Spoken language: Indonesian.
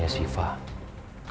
kamu gak usah khawatir